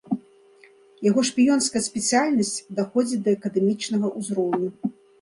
Яго шпіёнская спецыяльнасць даходзіць да акадэмічнага ўзроўню.